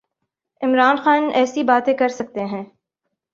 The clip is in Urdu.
عمران خان ایسی باتیں کر سکتے ہیں۔